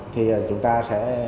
thì chúng ta sẽ